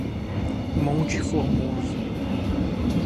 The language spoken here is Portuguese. Monte Formoso